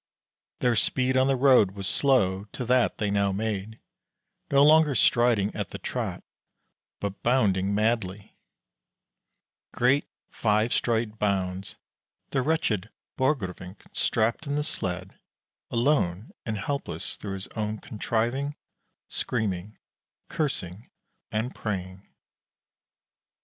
Their speed on the road was slow to that they now made: no longer striding at the trot, but bounding madly, great five stride bounds, the wretched Borgrevinck strapped in the sled, alone and helpless through his own contriving, screaming, cursing, and praying.